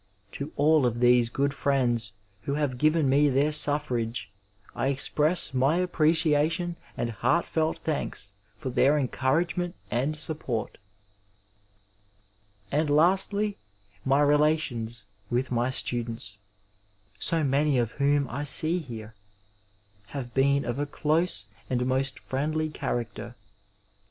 To all of these good friends 471 Digitized by VjOOQ IC UENVOI who have given me their sufirage I expiess my appreciation and heartfelt thanks for their enoonragement and support And lastly, my relations with my stodents— «o many of whom I see here — ^have been of a close and most friendly character.